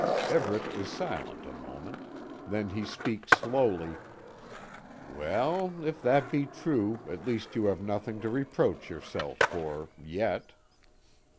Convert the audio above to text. Everet is silent a moment. Then he speaks slowly: "Well, if that be true, at least you have nothing to reproach yourself for, yet.